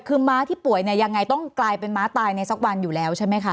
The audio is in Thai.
คือม้าที่ป่วยเนี่ยยังไงต้องกลายเป็นม้าตายในสักวันอยู่แล้วใช่ไหมคะ